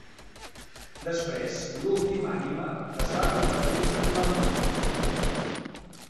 Després l'última ànima es va convertir en la humana.